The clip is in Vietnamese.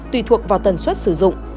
tùy thuộc vào tần suất sử dụng